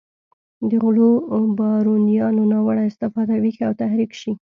د غلو بارونیانو ناوړه استفاده ویښ او تحریک شي.